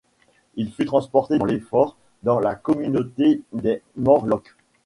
Il fut transporté dans l'effort dans la communauté des Morlocks.